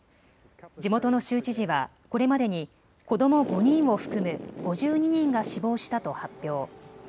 地元の州知事はこれまでに子ども５人を含む５２人が死亡したと発表。